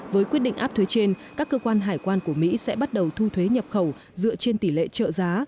với quyết định áp thuế trên các cơ quan hải quan của mỹ sẽ bắt đầu thu thuế nhập khẩu dựa trên tỷ lệ trợ giá